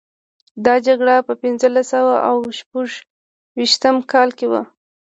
دا جګړه په پنځلس سوه او شپږویشتم کال کې وه.